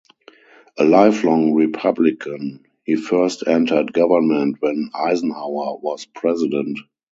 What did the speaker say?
A lifelong Republican, he first entered government when Eisenhower was president.